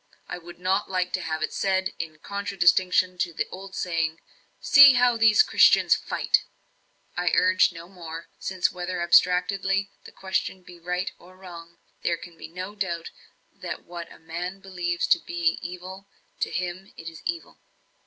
I would not like to have it said, in contradistinction to the old saying, 'See how these Christians FIGHT!'" I urged no more; since, whether abstractedly the question be right or wrong, there can be no doubt that what a man believes to be evil, to him it is evil.